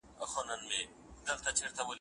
د حماسو تندریز اوازونه